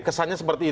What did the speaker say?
kesannya seperti itu